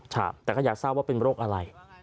แต่ก็อยากทราบว่าเป็นโรคอะไร